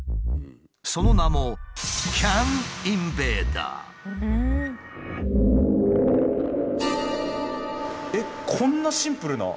その名もえっこんなシンプルな。